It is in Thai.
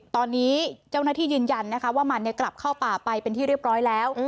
ตอนนี้เจ้าหน้าที่ยืนยันนะคะว่ามันกลับเข้าป่าไปเป็นที่เรียบร้อยแล้ว